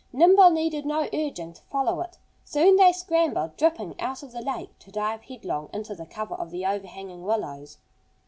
Nimble needed no urging to follow it. Soon they scrambled, dripping, out of the lake to dive headlong into the cover of the overhanging willows.